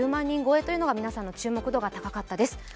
人超えというのが皆さんの注目度が高かったです。